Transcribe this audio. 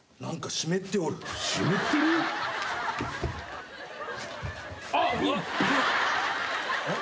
湿ってる？あっ。